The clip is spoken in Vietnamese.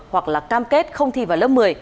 hoặc là cam kết không thi vào lớp một mươi